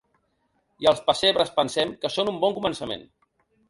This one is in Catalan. I els pessebres pensem que són un bon començament.